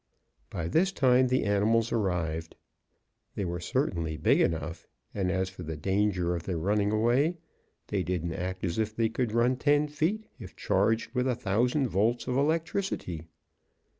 By this time the animals arrived. They were certainly big enough, and as for the danger of their running away, they didn't act as if they could run ten feet if charged with a thousand volts of electricity.